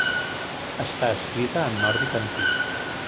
Està escrita en nòrdic antic.